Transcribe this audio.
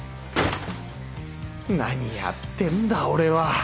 何やってんだ俺は